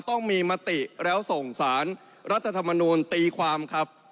ต้องมีมติแล้วส่งสารรัฐธรรมนูลตีความครับ